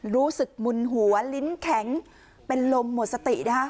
รู้สึกมึนหัวลิ้นแข็งเป็นลมหมดสตินะคะ